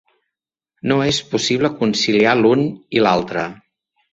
No és possible conciliar l'un i l'altre.